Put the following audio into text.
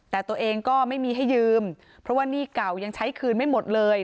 แต่ตัวเองก็ไม่มีให้ยืมเพราะว่าหนี้เก่ายังใช้คืนไม่หมดเลย